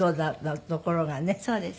そうです。